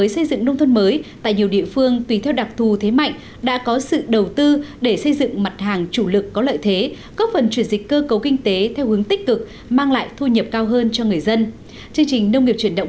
xin kính chào và hẹn gặp lại trong các chương trình sau